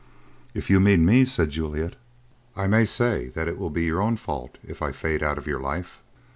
"If you mean me," said Juliet, "I may say that it will be your own fault if I fade out of your life.